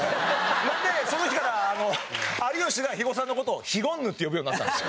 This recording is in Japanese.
なのでその日から有吉が肥後さんの事を「ヒゴンヌ」って呼ぶようになったんですよ。